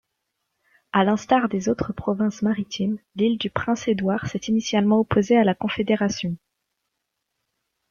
À l'instar des autres provinces maritimes, l'Île-du-Prince-Édouard s'est initialement opposée à la confédération.